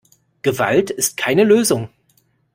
Gewalt ist keine Lösung.